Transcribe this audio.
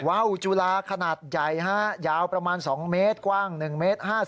ว่าวจุลาขนาดใหญ่ฮะยาวประมาณ๒เมตรกว้าง๑เมตร